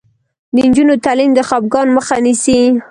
د نجونو تعلیم د خپګان مخه نیسي.